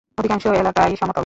অধিকাংশ এলাকাই সমতল।